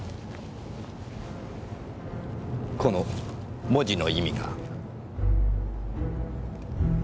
この文字の意味が。